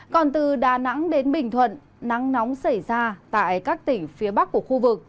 còn từ đà nẵng đến bình thuận nắng nóng xảy ra tại các tỉnh phía bắc của khu vực